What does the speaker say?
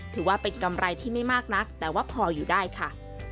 ถือว่าเป็นกำไรที่ไม่มากนักแต่ว่าพออยู่ได้ค่ะ